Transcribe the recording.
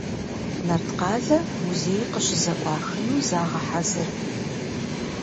Нарткъалъэ музей къыщызэӏуахыну загъэхьэзыр.